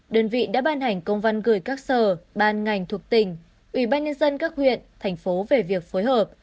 đơn vị đã ban hành công văn gửi các sở ban ngành thuộc tỉnh ủy ban nhân dân các huyện thành phố về việc phối hợp